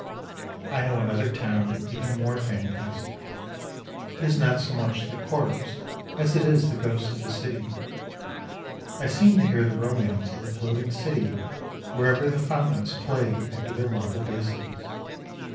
I know another town even more fantastic; it is not so much the corpse as it is the ghost of a city. I seem to hear the romance of the floating city wherever the fountains play into their marble basins.